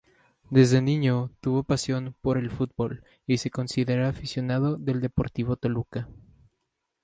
Desde niño tuvo pasión por el fútbol y se considera aficionado del Deportivo Toluca.